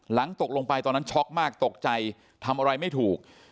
ตกลงไปตอนนั้นช็อกมากตกใจทำอะไรไม่ถูก